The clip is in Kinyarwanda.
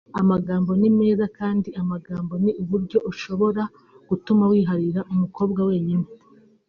amagambo ni meza kandi amagambo ni uburyo bushobora gutuma wiharira umukobwa wenyine